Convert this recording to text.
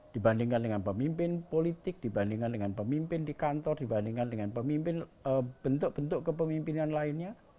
dibandingkan dengan pemimpin politik dibandingkan dengan pemimpin di kantor dibandingkan dengan pemimpin bentuk bentuk kepemimpinan lainnya